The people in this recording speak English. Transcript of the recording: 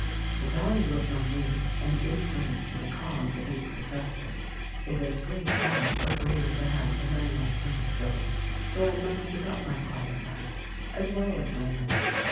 "The value of my name and influence to the cause of equal justice is as great as or greater than the money I can bestow; so I must give up my quiet life — as well as my money.